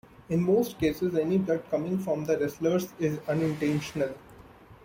In most cases, any blood coming from the wrestlers is unintentional.